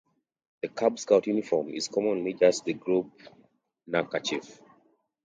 The Cub Scout uniform is commonly just the Group neckerchief.